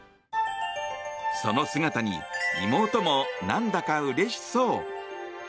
その姿に妹も何だかうれしそう。